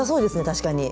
確かに。